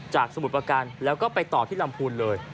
สมุทรประการแล้วก็ไปต่อที่ลำพูนเลย